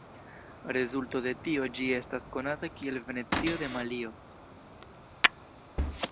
Rezulto de tio, ĝi estas konata kiel "Venecio de Malio".